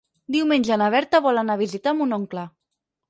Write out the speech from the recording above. Diumenge na Berta vol anar a visitar mon oncle.